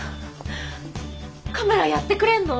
カメラやってくれんの？